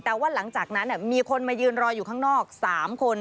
แต่ว่าหลังจากนั้นมีคนมายืนรออยู่ข้างนอก๓คน